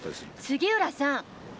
杉浦さん！